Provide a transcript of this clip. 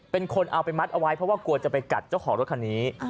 เป็นคนเอาไปมัดเอาไว้เพราะว่ากลัวจะไปกัดเจ้าของรถคันนี้